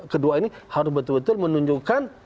kedua ini harus betul betul menunjukkan